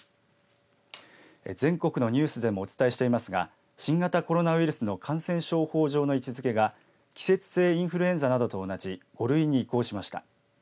全国のニュースでもお伝えしていますが新型コロナウイルスの感染症法上の位置づけが季節性インフルエンザなどと同じ５類に移行しました。